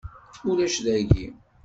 Ulac dagi.